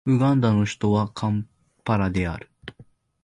ウガンダの首都はカンパラである